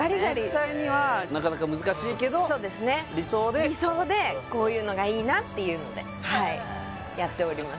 実際にはなかなか難しいけどそうですね理想で理想でこういうのがいいなっていうのではいやっております